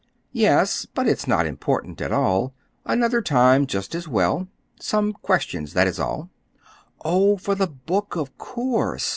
"Yes. But it's not important at all. Another time, just as well. Some questions—that is all." "Oh, for the book, of course.